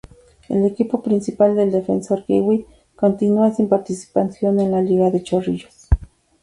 El equipo principal del Defensor Kiwi, continua sin participación en la liga de Chorrillos.